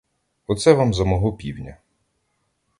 Оце вам за мого півня.